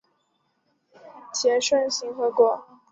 结肾形核果。